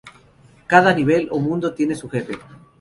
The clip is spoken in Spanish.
Cada nivel o mundo tiene su jefe.